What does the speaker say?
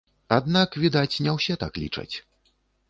Аднак, відаць, не ўсе так лічаць.